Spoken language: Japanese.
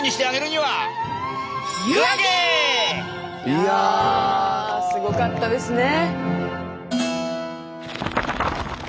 いやすごかったですね。